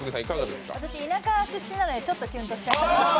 私、田舎出身なのでちょっとキュンとしちゃいました。